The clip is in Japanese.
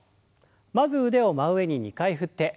まず腕を真上に２回振って。